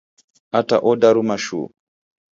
Ata odaruma shuu!